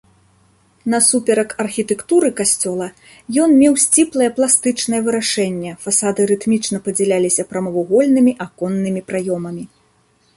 Насуперак архітэктуры касцёла ён меў сціплае пластычнае вырашэнне, фасады рытмічна падзяляліся прамавугольнымі аконнымі праёмамі.